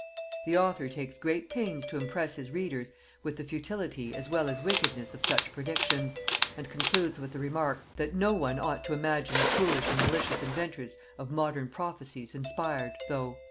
The author takes great pains to impress his readers with the futility as well as wickedness of such predictions, and concludes with the remark, that no one ought to imagine the foolish and malicious inventors of modern prophecies inspired, though